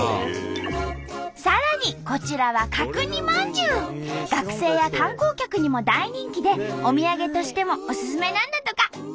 さらにこちらは学生や観光客にも大人気でお土産としてもおすすめなんだとか。